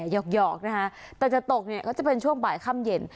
หอกนะคะแต่จะตกเนี่ยก็จะเป็นช่วงบ่ายค่ำเย็น